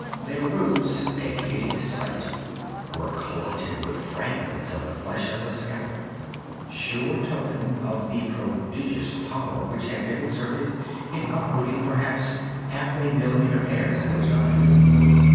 Their roots (a hideous sight!) were clotted with fragments of the flesh of the scalp—sure token of the prodigious power which had been exerted in uprooting perhaps half a million of hairs at a time.